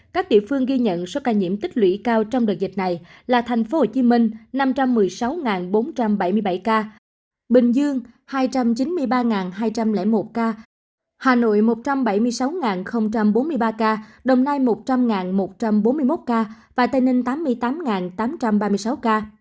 các địa phương ghi nhận số ca nhiễm tích lũy cao trong đợt dịch này là tp hcm năm trăm một mươi sáu bốn trăm bảy mươi bảy ca bình dương hai trăm chín mươi ba hai trăm linh một ca hà nội một trăm bảy mươi sáu bốn mươi ba ca đồng nai một trăm linh một trăm bốn mươi một ca và tây ninh tám mươi tám tám trăm ba mươi sáu ca